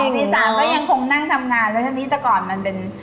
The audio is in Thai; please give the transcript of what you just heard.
๒ที๓ก็ยังคงนั่งทำงานและท่านที่ตะกอนมันเป็น